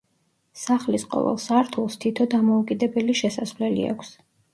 სახლის ყოველ სართულს თითო დამოუკიდებელი შესასვლელი აქვს.